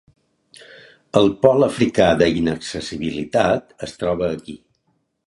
El Pol Africà de Inaccessibilitat es troba aquí.